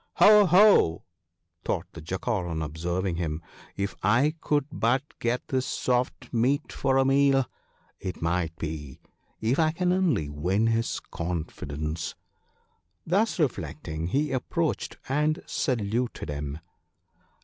" Ho ! ho !" thought the Jackal on observing him, " if 1 could but get this soft meat for a meal ! It might be — if I can only win his confidence." Thus reflecting he approached, and saluted him.